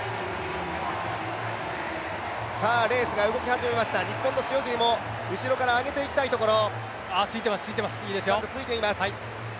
レースが動き始めました、日本の塩尻も後ろから挙げていきたいところ。